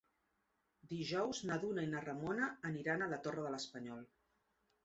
Dijous na Duna i na Ramona aniran a la Torre de l'Espanyol.